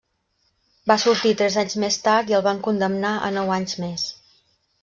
Va sortir tres anys més tard i el van condemnar a nou anys més.